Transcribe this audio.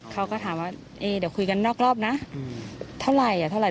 เขาก็ถามว่าเดี๋ยวคุยกันนอกรอบนะเท่าไหร่อ่ะเท่าไห